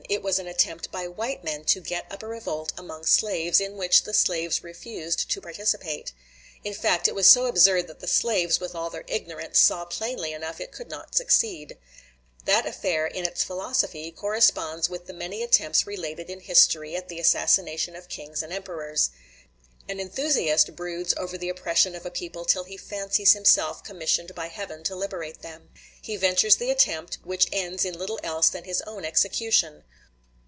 It was an attempt by white men to get up a revolt among slaves, in which the slaves refused to participate. In fact, it was so absurd that the slaves, with all their ignorance, saw plainly enough it could not succeed. That affair, in its philosophy, corresponds with the many attempts related in history, at the assassination of kings and emperors. An enthusiast broods over the oppression of a people till he fancies himself commissioned by Heaven to liberate them. He ventures the attempt, which ends in little else than his own execution.